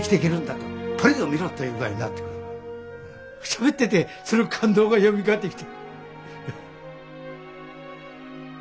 しゃべっててその感動がよみがえってきた。